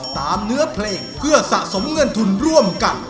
เนื้อเพลงเพื่อสะสมเงินทุนร่วมกัน